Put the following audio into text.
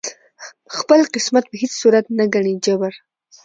خپل قسمت په هیڅ صورت نه ګڼي جبر